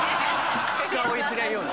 深追いしないように。